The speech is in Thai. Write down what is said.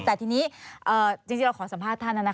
แต่ทีนี้จริงเราขอสัมภาษณ์ท่าน